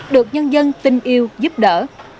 được nhân dân tình yêu giúp đỡ